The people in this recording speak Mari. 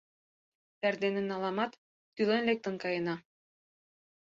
Эрдене наламат, тӱлен лектын каена.